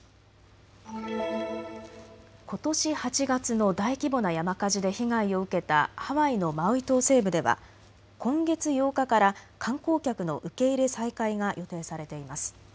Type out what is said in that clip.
ことし８月の大規模な山火事で被害を受けたハワイのマウイ島西部では今月８日から観光客の受け入れ再開が予定されています。